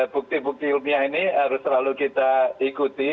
bukti bukti ilmiah ini harus selalu kita ikuti